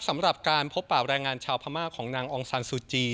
สำหรับการพบป่าแรงงานชาวพม่าของนางองซานซูจี